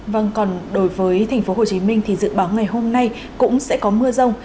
vâng còn đối với thành phố hồ chí minh thì dự báo ngày hôm nay cũng sẽ có mưa rông